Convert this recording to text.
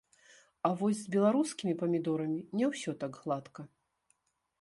А вось з беларускімі памідорамі не ўсё так гладка.